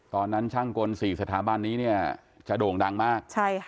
ตอนนั้นช่างกล๔สถาบันนี้เนี่ยจะโด่งดังมาก